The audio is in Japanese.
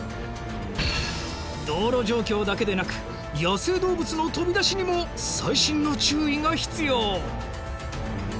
道路状況だけでなく野生動物の飛び出しにも細心の注意が必要。